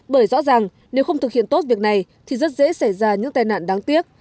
bởi rõ ràng nếu không thực hiện tốt việc này thì rất dễ xảy ra những tai nạn đáng tiếc